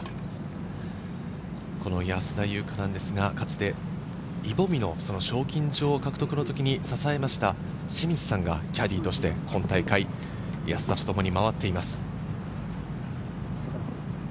安田祐香なんですが、かつてイ・ボミの賞金女王獲得の時に支えました清水さんがキャディーとして今大会、安田と共に回っています。